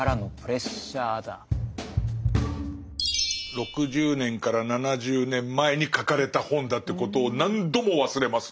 ６０年から７０年前に書かれた本だってことを何度も忘れますね。